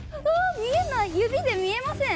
見えない指で見えません。